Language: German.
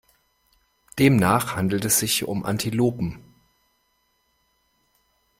Demnach handelt es sich um Antilopen.